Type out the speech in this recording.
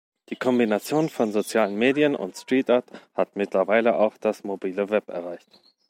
Die Kombination von sozialen Medien und Streetart hat mittlerweile auch das mobile Web erreicht.